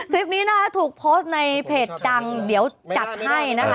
คลิปนี้นะคะถูกโพสต์ในเพจดังเดี๋ยวจัดให้นะคะ